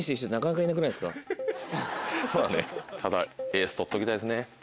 そうだねただエース取っておきたいですね。